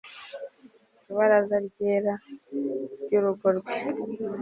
Ibaraza ryera ryurugo rwe